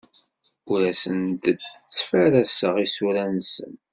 Ur asen-d-ttfaraseɣ isura-nsen.